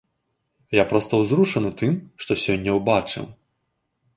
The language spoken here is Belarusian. Я проста узрушаны тым, што сёння ўбачыў.